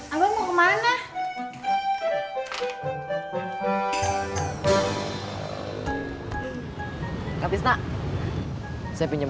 abang mau kemana